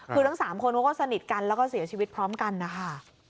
คือทั้ง๓คนเขาก็สนิทกันแล้วก็เสียชีวิตพร้อมกันนะคะ